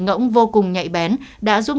ngỗng vô cùng nhạy bén đã giúp